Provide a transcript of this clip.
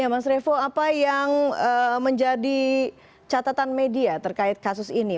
mas revo apa yang menjadi catatan media terkait kasus ini